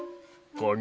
カニ？